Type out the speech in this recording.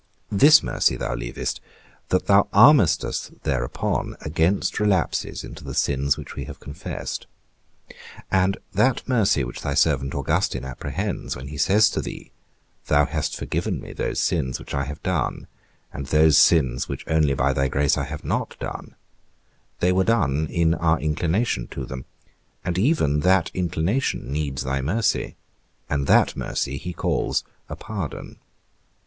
This mercy thou leavest, that thou armest us thereupon against relapses into the sins which we have confessed. And that mercy which thy servant Augustine apprehends when he says to thee, "Thou hast forgiven me those sins which I have done, and those sins which only by thy grace I have not done": they were done in our inclination to them, and even that inclination needs thy mercy, and that mercy he calls a pardon.